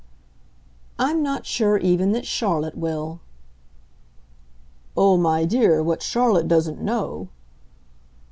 "I'm not sure, even, that Charlotte will." "Oh, my dear, what Charlotte doesn't know